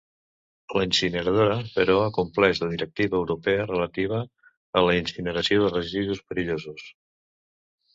La incineradora, però, acompleix la directiva europea relativa a la incineració de residus perillosos.